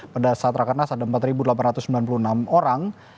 pada saat rakernas ada empat delapan ratus sembilan puluh enam orang